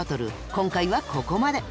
今回はここまで。